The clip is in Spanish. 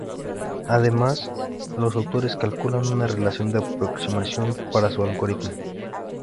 Además, los autores calculan una relación de aproximación para su algoritmo.